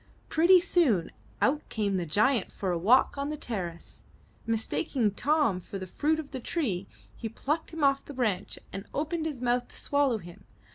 Pretty soon, out came the giant for a walk on the terrace. Mistaking Tom for the fruit of the tree, he plucked him off the branch and opened his mouth to swallow him.